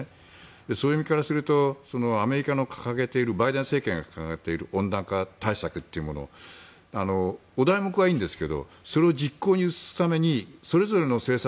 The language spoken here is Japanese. そういう意味からするとバイデン政権が掲げている温暖化対策というものお題目はいいんですがそれを実行に移すためにそれぞれの生産